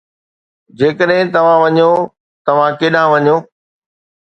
جيڪڏهن توهان وڃو، توهان ڪيڏانهن وڃو؟